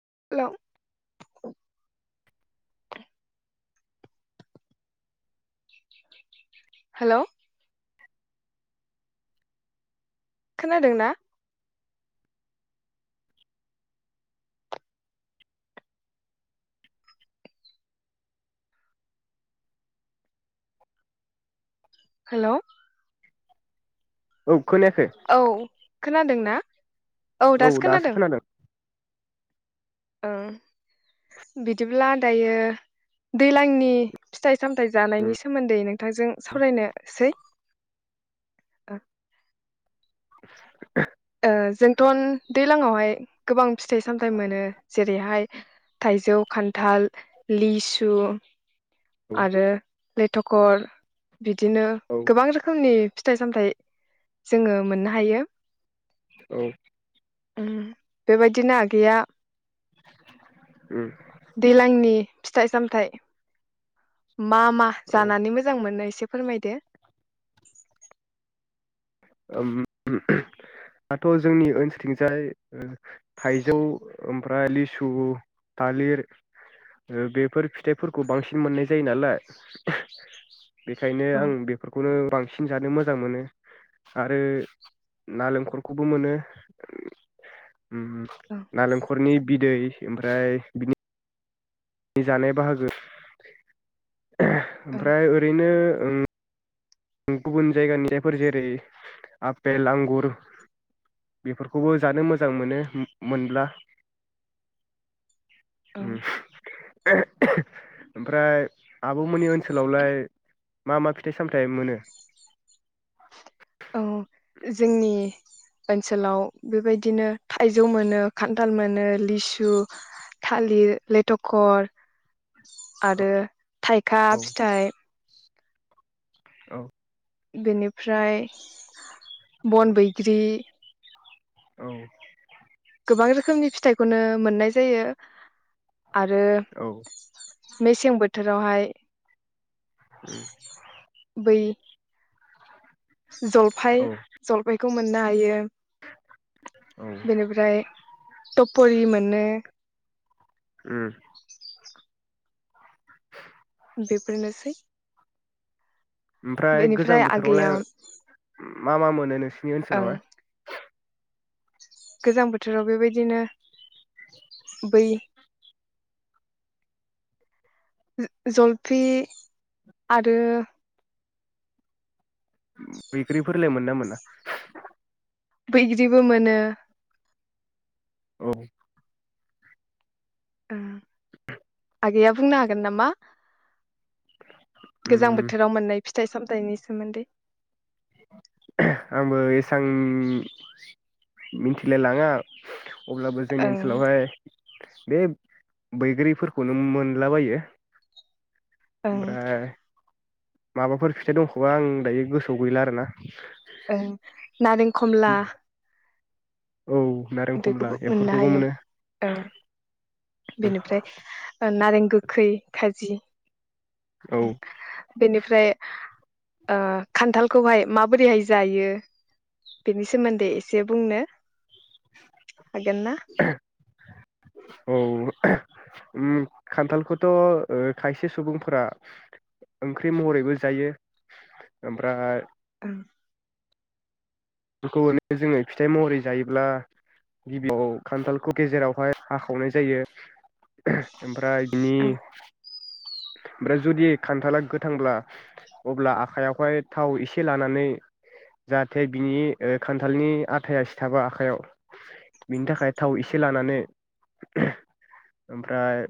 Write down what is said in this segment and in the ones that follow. [unintelligible] Hello खोनादोंना? Hello औ खोनायाखै औ खोनादों ना? औ दासो खोनादों। ओं बिदिब्ला दायो दैलांनि फिथाइ सामथाय जानायनि उम सोमोन्दै नों थांजों सावरायनो सै [inaudible] ओ जोंथ' दैलाङावहाय गोबां फिथाइ सामथाइ मोनो जेरैहाय थाइजौ, खान्थाल, लिसु आरो लेथ'खर बिदिनो औ गोबां रोखोमनि फिथाइ सामथाइ जोङो मोननो हायो औ उम बेबायदिनो आगैया उम दैलांनि फिथाइ सामथाइ मा मा औ जानानै मोजां मोनो एस एसे फोरमायदो। [unintelligible] दाथ' जोंनि ओनसोलथिंजाय ओ थाइजौ ओमफ्राय लिसु थालिर बेफोर फिथाइफोरखौ बांसिन मोननाय जायो नालाय [unintelligible] बेखायनो औ आं बेफोरखौनो बांसिन जानो मोजां मोनो आरो नालेंखरखौबो मोनो ओम ओम औ नालेंखरनि बिदै ओमफ्राय बिनि जानाय बाहागो [unintelligible] ओमफ्राय ओरैनो ओम गुबुन जायगानि [unintelligible] जेरै आफेल आंगुर बेफोरखौबो जानो मोजां मोनो मो-मोनब्ला। औ ओम [unintelligible] ओमफ्राय आब'मोननि ओनसोलावलाय मा मा फिथाइ सामथाइ मोनो औ [unintelligible] जोंनि ओनसोलाव बेबायदिनो थाइजौ मोनो खान्थाल मोनो लिसु थालिर लेथखर आरो थाइखा औ फिथाइ औ बेनि [unintelligible] ओमफ्राय बन बैग्रि औ गोबां रोखोमनि फिथाइखौनो मोननाय जायो आरो औ मेसें बोथोरावहाय बै जलफाय औ जलफाय खौ मोननो हायो। औ बेनिफ्राय टपरि मोन मोनो ओम बेफोरनोसै ओमफ्राय गोजां बेनिफ्राय आगैया बोथोरावलाय उम मा मा मोनो नोंसि नि ओं ओनसोलाव गोजां बोथोराव बेबायदिनो बै ज- जलफि आरो बैख्रिफोरलाय मोनोना मोना? [unintelligible] बैग्रिबो मोनो औ उम आगैया बुंनो हागोन नामा उम गोजां बोथोराव मोननाय फि थाइ-सामथाइनि सोमोन्दै आंबो एसां मिथिलाय लाङा अब्लाबो जोंनि ओं ओनसोलावहाय बे बैग्रिफोरखौनो मोनलाबायो। ओं ओमफ्राय माबाफोर फिथाइ दंख'बा आं दायो गोसोआव गैला आरो ना ओम नारें खमला औ नारें खमला बेखौबो मोननो एफोरखौबो हायो मोनो ओं बेनिफ्राय ओ गोखै खाजि औ बेनिफ्राय ओ खान्थालखौहाय माबोरैहाय जायो? बेनि सोमोन्दै एसे बुंनो। हागोन ना औ ओम खान्थालखौथ' ओ खायसे सुबुंफोरा ओंख्रि महरैबो जायो ओमफ्राय [inaudible] बेफोरखौ माने जोङो फिथाइ महरै जायोब्ला गिबियाव खान्थालखौ गेजेरावहाय हाखावनाय जायो ओमफ्राय बिनि ओं ओमफ्राय जुदि खान्थाला गोथांब्ला अब्ला आखायावहाय थाव इसे लानानै जाहाथे बिनि ओ खान्थालनि आथाया सिथाबा आखाइयाव बिनि थाखाय थाव एसे लानानै ओमफ्राय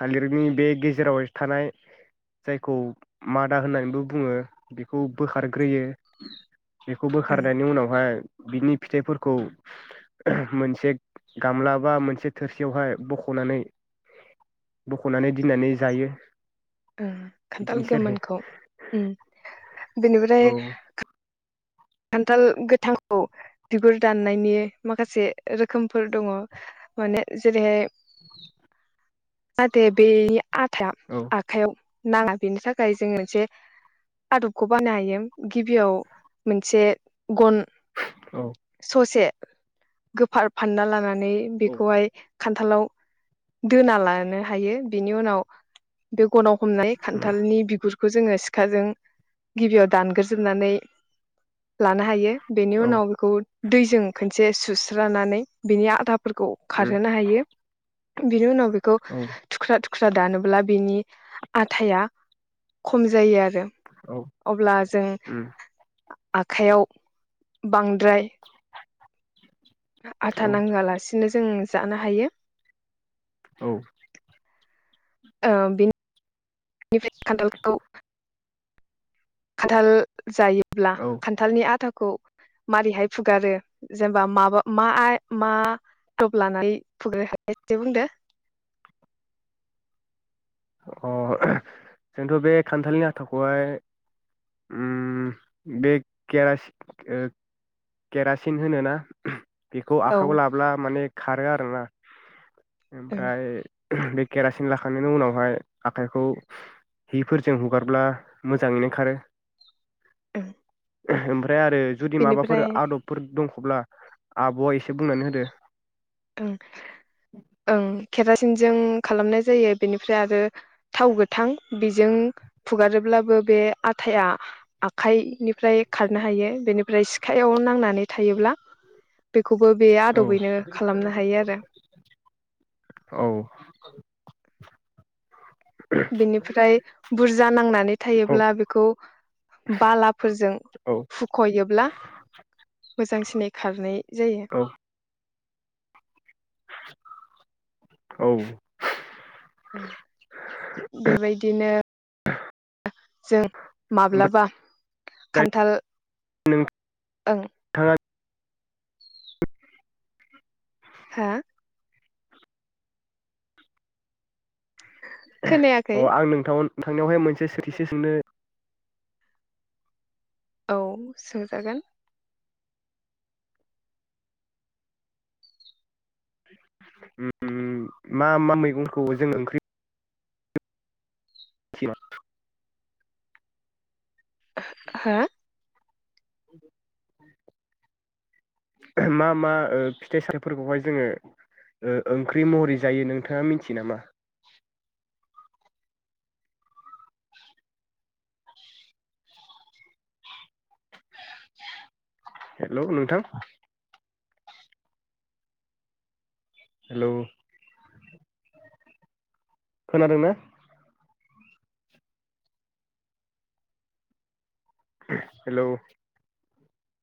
थालिरनि बे गेजेराव थानाय जायखौ मादा होननानैबो बुङो बेखौ बोखारग्रोयो बेखौ ओं बोखारनायनि उनावहाय बिनि फिथाइफोरखौ मोनसे गामला बा मोनसे थोरसियावहाय बख'नानै बख'नानै दिननानै जायो। उम खान्थाल बिदिनोसै आरो गोमोनखौ उम औ बेनिफ्राय खान्थाल गोथांखौ बिगुर दाननायनि माखासे रोखोमफोर दङ माने जेरैहाय [inaudible] [unintelligible] आथाया औ आखाइआव नाङा बेनि थाखाय जोङो मोनसे आदबखौ बानो हायो गिबियाव मोनसे गन औ ससे गोफार फानना लानानै नै औ बेखौहाय खान्थालाव दोना लानो हायो बेनि उनाव बे गनाव हमना खान्थालनि बिगुर बेखौ जोङो सिखाजों गिबियाव दानग्रोजोबनानै लानो हायो बेनि औ उनाव बेखौ दैजों खनसे सुस्रानानै बिनि आथा फोरखौ खारहोनो हायो। बिनि उनाव बेखौ औ थुख्रा थु थुख्रा दानोब्ला बेनि आथाया खम जायो आरो। औ अब्ला जों उम आखाइयाव बां द्राय आथा नांहोआलासिनो जों जानो हायो औ ओ बिनि [unintelligible] खान्थालखौ खानथाल जायो। ब्ला औ खान्थालनि आथाखौ खौ मारैहाय फुगारो जेनेबा माबा मा मा आदब लानानै फुगारो एसे बुंदो। अ [unintelligible] जोंथ' बे खान्थालनि आथाखौहाय ओम बे केरासिन ओ केरासिन होनोना? बेखौ औ आखाइयाव लाब्ला माने खारो आरो ना। ओं ओमफ्राय बे केरासिन लाखांनायनि उनावहाय आखाइखौ हिफोरजों हुगारब्ला मोजाङैनो खारो। ओं ओमफ्राय ओमफ्राय आरो जुदि माबाफोर बेनिफ्राय आदबफोर दंख'ब्ला आब'आ एसे बुंनानै होदो। [unintelligible] ओं केरासिन जों खालामनाय जायो बेनिफ्राय आरो थाव गोथां बेजों फुगारोब्लाबो बे आथाया आखाइ निफ्राय खारनो हायो बेनिफ्राय सिखायाव नांनानै थायोब्ला बे खौबो बे औ आदबैनो आरो [unintelligible] औ [unintelligible] बेनिफ्राय बुरजा नांनानै औ थायोब्ला बेखौ बालाफोरजों औ हुखयोब्ला मोजा मोजां सिनै खारनाय जायो। औ औ बेबायदिनो जों ओमफ्राय माब्लाबा खान्थाल ओं नोंथाङा हा खोनायाखै अ आं नोंथांमोन नोंथांनिआवहाय मोनसे सोंथिसो सोंनो औ सोंजागोन। ओम मा मा मैगंखौ जों ओंख्रि [unintelligible] हा मा मा ओ फिथाइ सामथाइफोरखौहाय जोङो ओ ओंख्रि महरै जायो नोंथाङा मिथियो नामा? हेल' नोंथां। हेल खोनादों ना? हेल